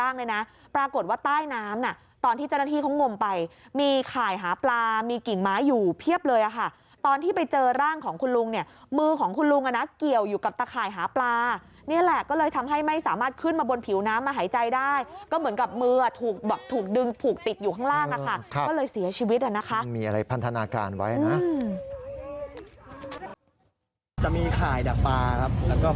ปรากฏว่าใต้น้ำน่ะตอนที่เจ้าหน้าที่เขางมไปมีข่ายหาปลามีกิ่งไม้อยู่เพียบเลยค่ะตอนที่ไปเจอร่างของคุณลุงเนี่ยมือของคุณลุงอ่ะนะเกี่ยวอยู่กับตะข่ายหาปลานี่แหละก็เลยทำให้ไม่สามารถขึ้นมาบนผิวน้ำมาหายใจได้ก็เหมือนกับมืออ่ะถูกแบบถูกดึงผูกติดอยู่ข้างล่างอะค่ะก็เลยเสียชีวิตอ่ะนะคะมีอะไรพันธนาการไว้นะจะมีข่ายดักปลาครับแล้วก็